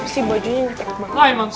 si bajunya nyetek banget